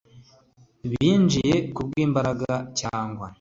binjiye ku bw imbaraga cyangwa